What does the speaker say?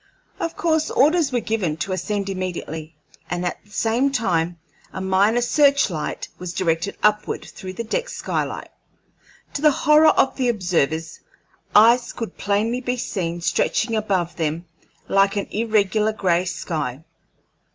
Of course orders were given to ascend immediately, and at the same time a minor search light was directed upward through the deck skylight. To the horror of the observers, ice could plainly be seen stretching above them like an irregular, gray sky.